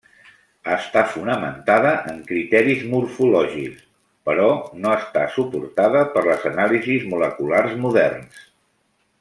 Està fonamentada en criteris morfològics, però no està suportada per les anàlisis moleculars moderns.